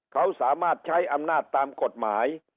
เขาสามารถใช้อำนาจตามกฎหมาย